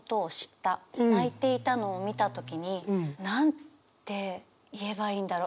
泣いていたのを見た時になんて言えばいいんだろ。